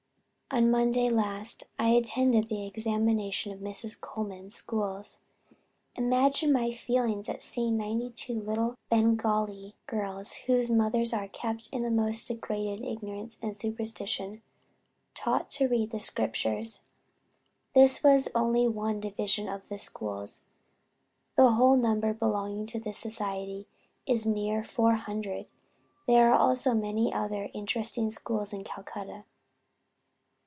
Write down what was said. "On Monday last, I attended the examination of Mrs. Colman's schools. Imagine my feelings at seeing ninety two little Bengallee girls, (whose mothers are kept in the most degraded ignorance and superstition,) taught to read the Scriptures.... This was only one division of the schools. The whole number belonging to this Society is nearly four hundred. There are also many other interesting schools in Calcutta.